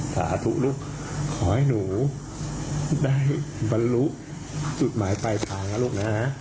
สาธุลูกขอให้หนูได้บรรลุสุดหมายไปภาวะลูกนะฮะ